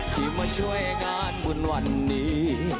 ที่มาช่วยงานบุญวันนี้